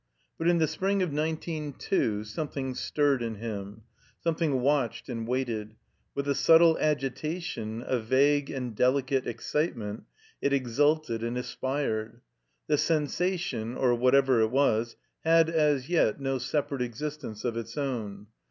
But in the spring of nineteen two something stirred in him, something watched and waited; with a subtle agitation, a vague and delicate excitement, it extdted and aspired. The sensation, or whatever it was, had as yet no separate existence of its own.